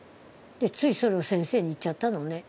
ついそれを先生に言っちゃったのね。